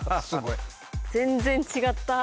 全然違った。